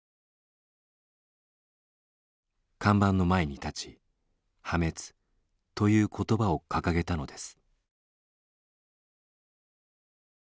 看板の前に立ち「破滅」という言葉を掲げたのです。